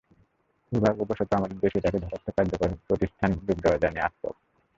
দুর্ভাগ্যবশত আমাদের দেশে এটাকে যথার্থ কার্যকর প্রতিষ্ঠানে রূপ দেওয়া যায়নি আজতক।